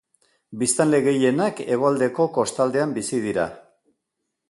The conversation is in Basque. Biztanle gehienak hegoaldeko kostaldean bizi dira.